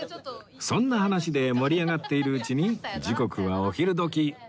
そんな話で盛り上がっているうちに時刻はお昼時